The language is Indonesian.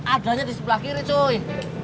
adanya di sebelah kiri joy